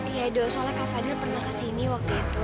ya edo soalnya kak fadil pernah kesini waktu itu